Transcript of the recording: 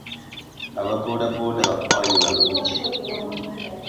Ababoodabooda bakwanyi balungi.